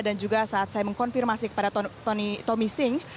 dan juga saat saya mengkonfirmasi kepada tommy singh